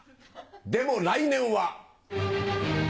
でも来年は。